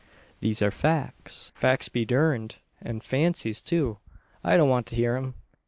"There are facts !" "Facts be durned! An' fancies, too! I don't want to hear 'em.